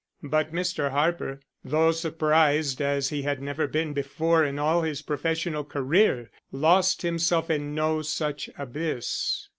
But Mr. Harper, though surprised as he had never been before in all his professional career, lost himself in no such abyss.